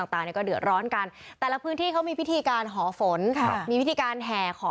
ต่างเนี่ยก็เดือดร้อนกันแต่ละพื้นที่เขามีพิธีการหอฝนมีวิธีการแห่ขอ